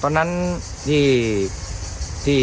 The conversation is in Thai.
ตอนนั้นที่